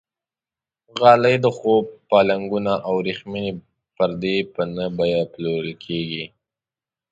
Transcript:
غالۍ، د خوب پالنګونه او وریښمینې پردې په نه بیه پلورل کېږي.